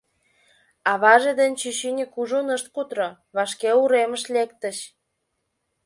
Аваже ден чӱчӱньӧ кужун ышт кутыро, вашке уремыш лектыч.